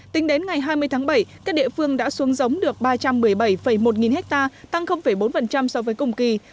tính đến ngày hai mươi tháng bảy các địa phương đã xuống giống được ba trăm một mươi bảy một nghìn hectare tăng bốn so với cùng kỳ